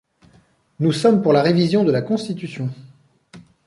Nous sommes pour la révision de la Constitution.